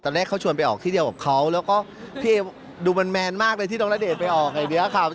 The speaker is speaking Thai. แรกเขาชวนไปออกที่เดียวกับเขาแล้วก็พี่เอดูมันแมนมากเลยที่น้องณเดชน์ไปออกไอเดีย